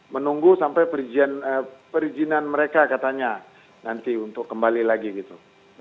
menunggu sampai perizinan mereka katanya nanti untuk kembali lagi gitu